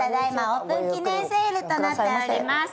オープン記念セールとなっております。